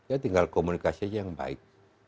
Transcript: ya tinggal komunikasi aja yang baik